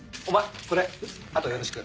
お前これあとよろしく。